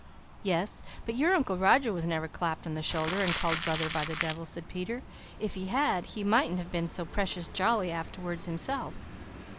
"Yes, but your Uncle Roger was never clapped on the shoulder and called brother by the devil," said Peter. "If he had, he mightn't have been so precious jolly afterwards himself."